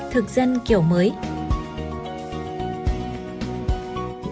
thực dân kiểu mới